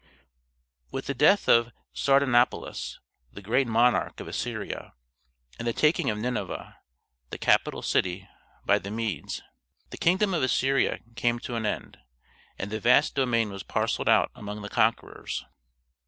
] With the death of Sardanapalus, the great monarch of Assyria, and the taking of Nineveh, the capital city, by the Medes, the kingdom of Assyria came to an end, and the vast domain was parcelled out among the conquerors.